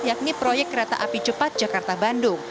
yakni proyek kereta api cepat jakarta bandung